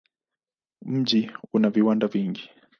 Mji una viwanda vingi.